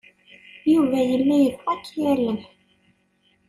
Yuba yella yebɣa ad k-yalel.